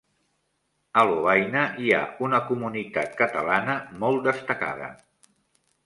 A Lovaina hi ha una comunitat catalana molt destacada.